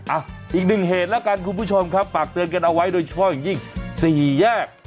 อ่ะอีกหนึ่งเหตุแล้วกันคุณผู้ชมครับฝากเตือนกันเอาไว้โดยเฉพาะอย่างยิ่งสี่แยก